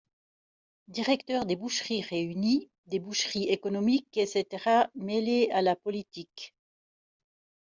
Directeur des Boucheries Réunies, des Boucheries Économiques, etc. Mêlé à la politique.